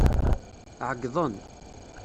Ɛeyḍen.